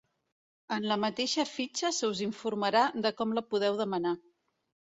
En la mateixa fitxa se us informarà de com la podeu demanar.